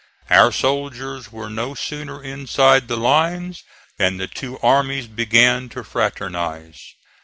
Our soldiers were no sooner inside the lines than the two armies began to fraternize.